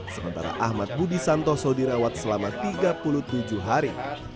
sementara ahmad budi santoso dirawat selama tiga puluh tujuh hari